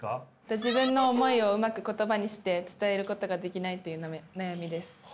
自分の思いをうまく言葉にして伝えることができないという悩みです。